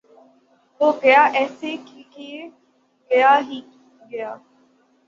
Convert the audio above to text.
وہ گیا ایسا کی گیا ہی گیا